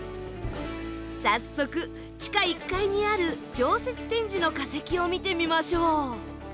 早速地下１階にある常設展示の化石を見てみましょう。